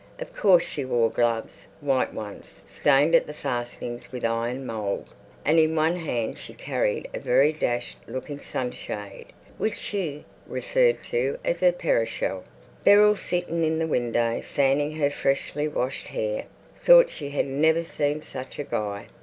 Of course she wore gloves, white ones, stained at the fastenings with iron mould, and in one hand she carried a very dashed looking sunshade which she referred to as her "perishall." Beryl, sitting in the window, fanning her freshly washed hair, thought she had never seen such a guy.